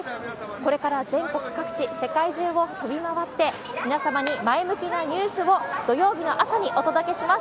これから全国各地、世界中を飛び回って、皆様に前向きなニュースを、土曜日の朝にお届けします。